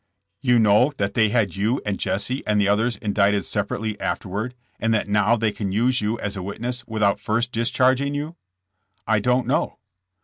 You know that they had you and Jesse and the others indicted separately afterward, and that now they can use you as a witness without first discharg ing you?" ^'I don't know."